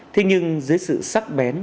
thế nhưng dưới sự sắc bén